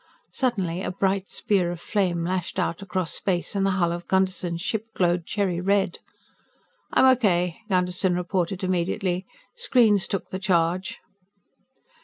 Suddenly a bright spear of flame lashed out across space and the hull of Gunderson's ship glowed cherry red. "I'm okay," Gunderson reported immediately. "Screens took the charge."